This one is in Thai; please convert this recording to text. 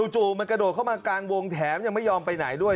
จู่มันกระโดดเข้ามากลางวงแถมยังไม่ยอมไปไหนด้วย